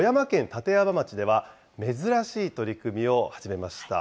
立山町では、珍しい取り組みを始めました。